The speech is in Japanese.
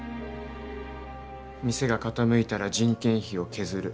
店が傾いたら人件費を削る。